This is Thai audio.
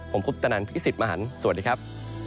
ผมพุทธนันทร์พี่สิทธิ์มหันธ์สวัสดีครับ